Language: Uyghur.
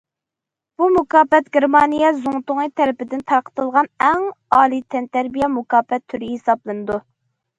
بۇ مۇكاپات گېرمانىيە زۇڭتۇڭى تەرىپىدىن تارقىتىلىدىغان ئەڭ ئالىي تەنتەربىيە مۇكاپات تۈرى ھېسابلىنىدۇ.